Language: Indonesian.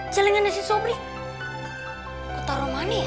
cilingan dari si sobri kok taro mani ya